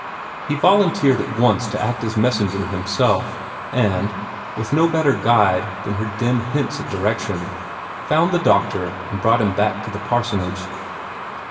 He volunteered at once to act as messenger himself, and, with no better guide than her dim hints at direction, found the doctor and brought him back to the parsonage.